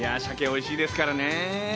鮭おいしいですからね。